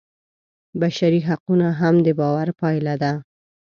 بشري حقونه هم د باور پایله ده.